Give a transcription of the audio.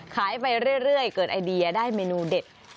ไปเรื่อยเกิดไอเดียได้เมนูเด็ด